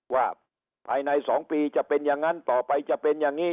ว่าภายใน๒ปีจะเป็นอย่างนั้นต่อไปจะเป็นอย่างนี้